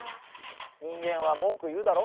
人間は文句言うだろ？